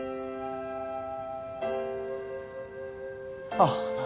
あっ！